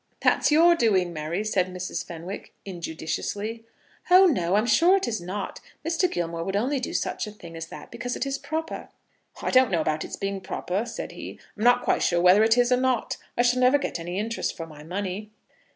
"That's your doing, Mary," said Mrs. Fenwick, injudiciously. "Oh, no; I'm sure it is not. Mr. Gilmore would only do such a thing as that because it is proper." "I don't know about it's being proper," said he. "I'm not quite sure whether it is or not. I shall never get any interest for my money."